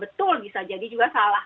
betul bisa jadi juga salah